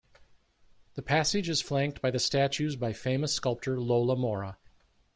The passage is flanked by statues by famous sculptor Lola Mora.